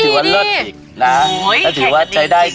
เดือนนี้ถือว่าเลิศอีกนะ